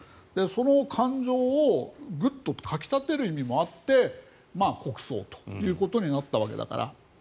その感情をグッとかき立てる意味もあって国葬ということになったわけだから。